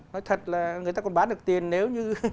nói thật là người ta còn bán được tiền nếu như